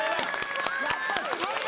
やっぱすごいな！